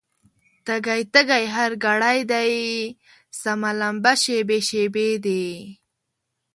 تږی، تږی هر ګړی دی، سره لمبه شېبې شېبې دي